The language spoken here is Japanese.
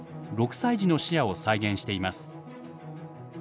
６歳児の視野を再現しています。